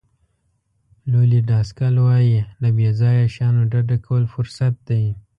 لولي ډاسکل وایي له بې ځایه شیانو ډډه کول فرصت دی.